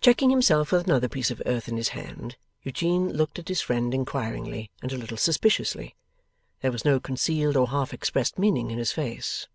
Checking himself with another piece of earth in his hand, Eugene looked at his friend inquiringly and a little suspiciously. There was no concealed or half expressed meaning in his face.